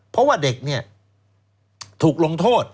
เพราะว่าเด็กเนี่ยถูกลงโทษ